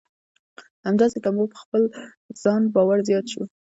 همداسې که مو په خپل ځان باور زیات شو.